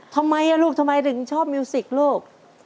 ทำไมลูกทำไมถึงชอบมิวสิกลูก